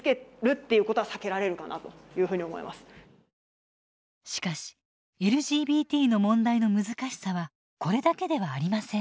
そこに少なくともしかしＬＧＢＴの問題の難しさはこれだけではありません。